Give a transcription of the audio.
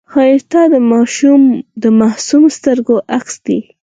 ښایست د ماشوم د معصومو سترګو عکس دی